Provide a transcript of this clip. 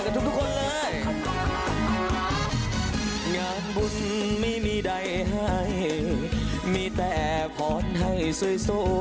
งานบุญไม่มีใดให้มีแต่พอดให้สวย